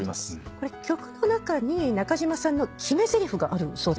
これ曲の中に中島さんの決めぜりふがあるそうですね。